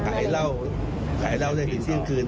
ขายเล่าได้ถึงเที่ยงคืน